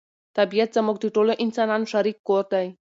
طبیعت زموږ د ټولو انسانانو شریک کور دی.